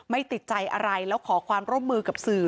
ติดใจอะไรแล้วขอความร่วมมือกับสื่อ